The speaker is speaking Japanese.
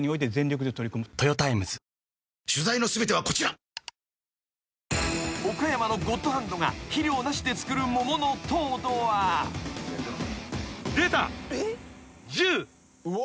あー［岡山のゴッドハンドが肥料なしで作る桃の糖度は］出た！